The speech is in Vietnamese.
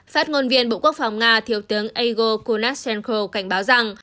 phát ngôn viên bộ quốc phòng nga thiếu tướng ego konashenko cảnh báo rằng